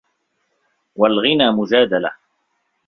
وَالْغِنَى مَجْدَلَةٌ